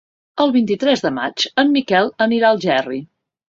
El vint-i-tres de maig en Miquel anirà a Algerri.